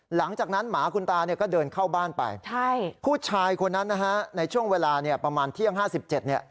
หลังจากนั้นหมาคุณตาก็เดินเข้าบ้านไปผู้ชายคนนั้นนะฮะในช่วงเวลาประมาณเที่ยงห้าสิบเจ็ด